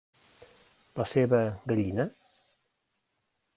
La seva gallina?